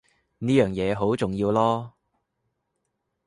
呢樣嘢好重要囉